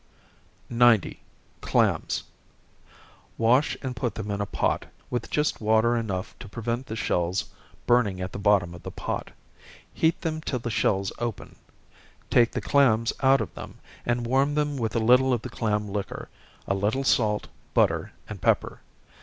90. Clams. Wash and put them in a pot, with just water enough to prevent the shells burning at the bottom of the pot. Heat them till the shells open take the clams out of them, and warm them with a little of the clam liquor, a little salt, butter, and pepper.